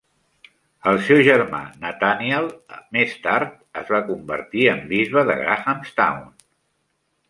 El seu germà Nathanial, més tard, es va convertir en bisbe de Grahamstown.